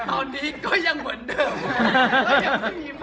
ตอนนี้ก็ยังเหมือนเดิมค่ะ